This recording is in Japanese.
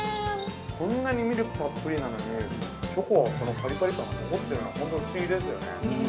◆こんなにミルクたっぷりなのにチョコのパリパリ感が残ってるのが本当不思議ですよね。